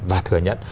và thừa nhận